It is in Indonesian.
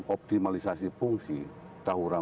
optimalisasi fungsi tahurang